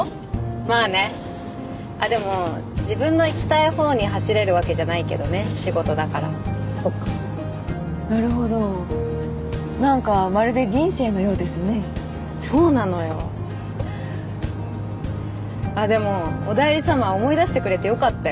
まあねあっでも自分の行きたいほうに走れるわけじゃないけどね仕事だからそっかなるほどなんかまるで人生のようですねそうなのよあっでもおだいり様思い出してくれてよかったよ